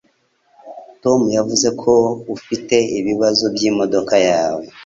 Tom yavuze ko ufite ibibazo by'imodoka yawe.